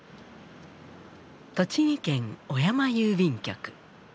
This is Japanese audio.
栃木県小山郵便局。